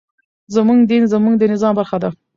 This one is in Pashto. زموږ دين زموږ د نظام برخه ده.